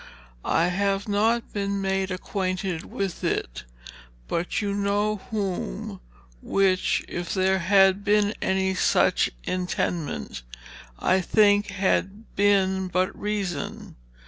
I have not been made acquainted with it by you know whome, which, if there had been any such intendment, I think had been but reason.